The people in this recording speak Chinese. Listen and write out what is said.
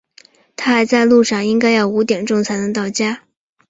他还在路上，应该要五点钟才能到家。